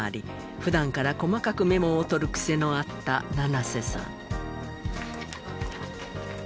普段から細かくメモを取るクセのあった七瀬さん。